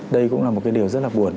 đây cũng là một cái điều rất là buồn